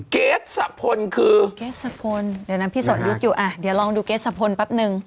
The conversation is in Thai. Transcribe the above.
เกษฐพลเดี๋ยวนั้นพี่สนยุกอยู่อ่ะเดี๋ยวลองดูเกษฐพลปั๊บหนึ่ง